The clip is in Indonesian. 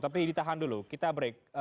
tapi di tahan dulu kita break